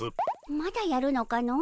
まだやるのかの。